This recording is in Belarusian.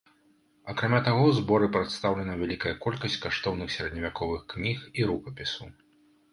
Акрамя таго ў зборы прадстаўлена вялікая колькасць каштоўных сярэдневяковых кніг і рукапісаў.